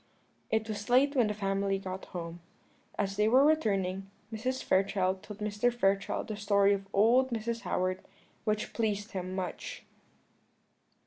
It was late when the family got home. As they were returning, Mrs. Fairchild told Mr. Fairchild the story of old Mrs. Howard, which pleased him much.